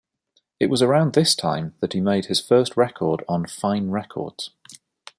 It was around this time that he made his first record on Fine Records.